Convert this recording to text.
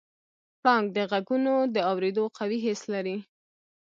پړانګ د غږونو د اورېدو قوي حس لري.